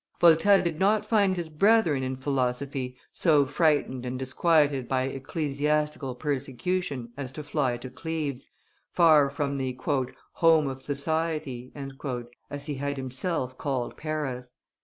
Voltaire did not find his brethren in philosophy so frightened and disquieted by ecclesiastical persecution as to fly to Cleves, far from the "home of society," as he had himself called Paris.